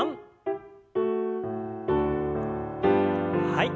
はい。